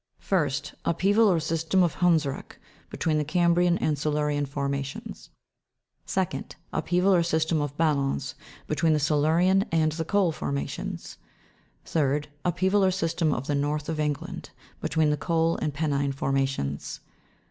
1st, Lpheaval, or system of Hnndsruck, between the cambrian and silurian formations. 2d, or system of Ballons, between the silurian and coal formations. 3d, or system of the North of England, between the coal and penine formations.